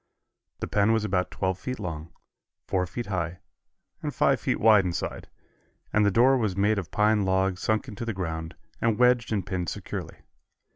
The pen was about twelve feet long, four feet high and five feet wide inside, and the door was made of pine logs sunk into the ground and wedged and pinned securely.